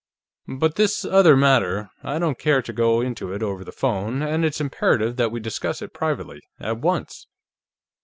But this other matter; I don't care to go into it over the phone, and it's imperative that we discuss it privately, at once."